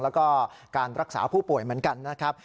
แล้วก็การรักษาผู้ป่วยเหมือนกันนะครับ